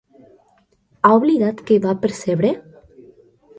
Ha oblidat què va percebre?